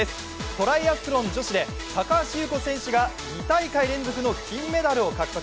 トライアスロン女子で高橋侑子選手が２大会連続の金メダルを獲得。